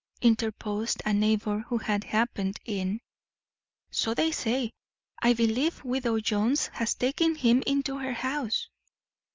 interposed a neighbour who had happened in. "So they say. I believe widow Jones has taken him into her house."